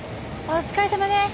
お疲れさまです。